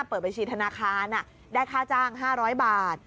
เปิดบัญชีธนาคารได้ค่าจ้าง๕๐๐บาท